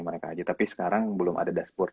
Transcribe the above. mereka aja tapi sekarang belum ada dashboard